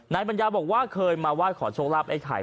นายปัญญาบอกว่าเคยมาวาดขอโชคลาบไอ้ไข่